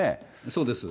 そうです。